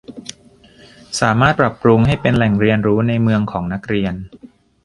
สามารถปรับปรุงให้เป็นแหล่งเรียนรู้ในเมืองของนักเรียน